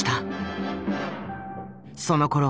そのころ